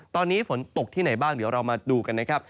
ตอนนี้ฝนตกที่ไหนบ้างเดี๋ยวเรามาดูกันนะครับ